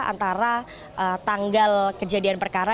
antara tanggal kejadian perkara dan juga waktu kejadian perkara